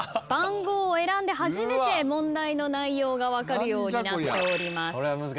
番号を選んで初めて問題の内容が分かるようになっております。